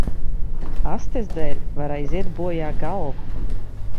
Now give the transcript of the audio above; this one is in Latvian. Astes dēļ var aiziet bojā galva.